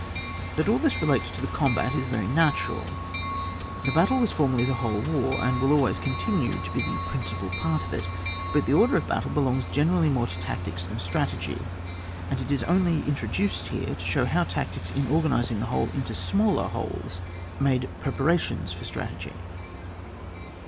That all this relates to the combat is very natural. The battle was formerly the wliole war, and will always continue to be the principal part of it; but, the order of battle belongs generally more to tactics than strategy, and it is only in troduced here to show how tactics in or ganising the whole into smaller wholes made preparations for strategy.